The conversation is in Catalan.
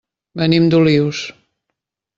Venim d'Olius.